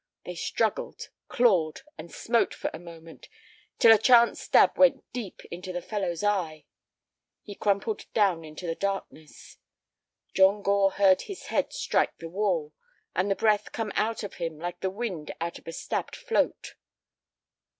They struggled, clawed, and smote for a moment, till a chance stab went deep into the fellow's eye. He crumpled down into the darkness; John Gore heard his head strike the wall, and the breath come out of him like the wind out of a stabbed "float."